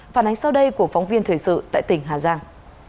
phản ánh sau đây của phóng viên thời sự tại tỉnh hà giang